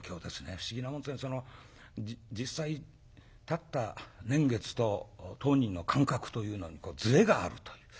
不思議なもんですね実際たった年月と当人の感覚というのにずれがあると。